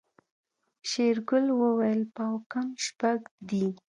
شېرګل وويل پاو کم شپږ دي.